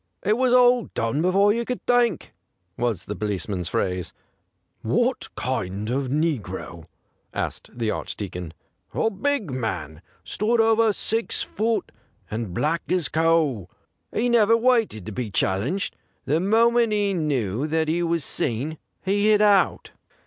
' It was all done before you could think/ was the police man's phrase. ' What kind of negro ?' asked the Archdeacon. 'A big man — stood over six foot, and black as coal. He never waited to be challenged ; the moment he knew that he was seen he hit out.'